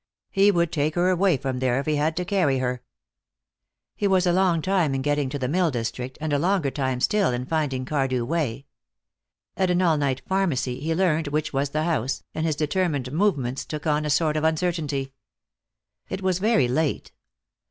He would take her away from there if he had to carry her. He was a long time in getting to the mill district, and a longer time still in finding Cardew Way. At an all night pharmacy he learned which was the house, and his determined movements took on a sort of uncertainty. It was very late.